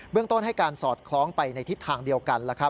เรื่องต้นให้การสอดคล้องไปในทิศทางเดียวกัน